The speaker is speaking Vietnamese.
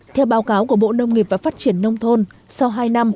theo báo cáo của bộ nông nghiệp và phát triển nông thôn sau hai năm